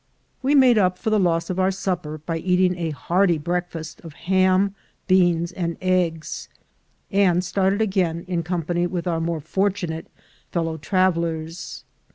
We made up for the loss of our supper by eating a hearty breakfast of ham, beans, and eggs, and started again in company with our more fortunate fellow travelers.